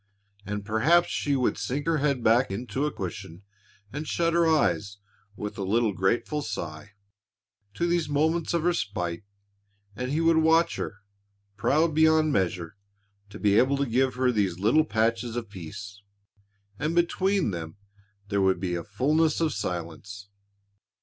And perhaps she would sink her head back into a cushion and shut her eyes with a little grateful sigh to these moments of respite, and he would watch her, proud beyond measure to be able to give her these little patches of peace. And between them there would be a fullness of silence.